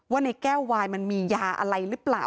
ว่าในแก้ววายมันมียาอะไรหรือเปล่า